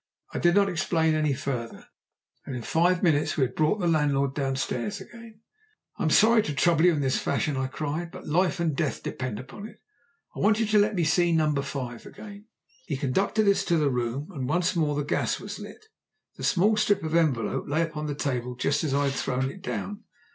I did not explain any further, and in five minutes we had brought the landlord downstairs again. "I'm sorry to trouble you in this fashion," I cried, "but life and death depend on it. I want you to let me see No. 5 again." He conducted us to the room, and once more the gas was lit. The small strip of envelope lay upon the table just as I had thrown it down.